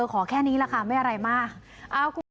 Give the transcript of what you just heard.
ขอแค่นี้แหละค่ะไม่อะไรมาก